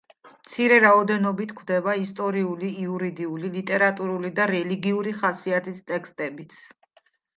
მცირე რაოდენობით გვხვდება ისტორიული, იურიდიული, ლიტერატურული და რელიგიური ხასიათის ტექსტებიც.